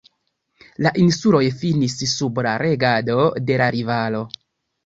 La insuloj finis sub la regado de la rivalo.